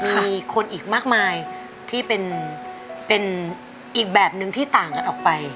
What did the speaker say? มีคนอีกมากมายที่เป็นอีกแบบนึงที่ต่างกันออกไป